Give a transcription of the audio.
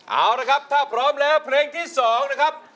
เอาละครับถ้าพร้อมแล้วเพลงที่๒นะครับ